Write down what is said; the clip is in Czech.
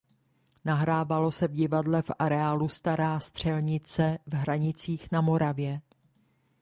Nahrávalo se v divadle v areálu Stará Střelnice v Hranicích na Moravě.